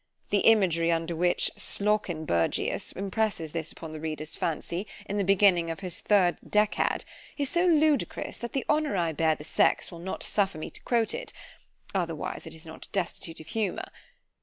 The imagery under which Slawkenbergius impresses this upon the reader's fancy, in the beginning of his third Decad, is so ludicrous, that the honour I bear the sex, will not suffer me to quote it——otherwise it is not destitute of humour.